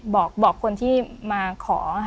บอกคนที่มาขอ